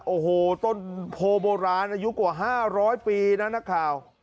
โอ้โหต้นโพโบราณอายุกว่า๕๐๐ปีนะนักข่าว